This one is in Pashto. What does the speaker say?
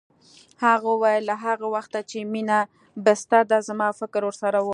هغه وویل له هغه وخته چې مينه بستر ده زما فکر ورسره و